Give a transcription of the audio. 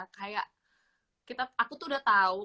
kayak aku tuh udah tau